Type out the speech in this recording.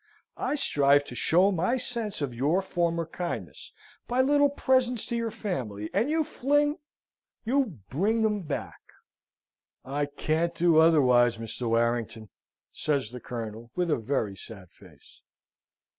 I strive to show my sense of your former kindness by little presents to your family, and you fling you bring them back." "I can't do otherwise, Mr. Warrington," says the Colonel, with a very sad face.